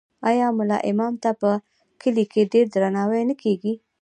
آیا ملا امام ته په کلي کې ډیر درناوی نه کیږي؟